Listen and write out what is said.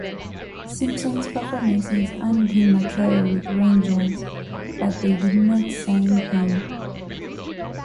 Simpson's performances earned him a trial with Rangers, but they did not sign him.